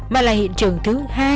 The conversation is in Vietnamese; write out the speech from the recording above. mà là hiện trường thứ hai